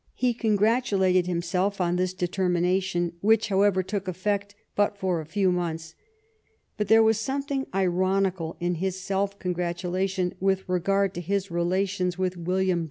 He congratulated himself on this determination, which, however, took effect but for a few months ; but there was something ironical in his self congratulation with regard to his relations with William I.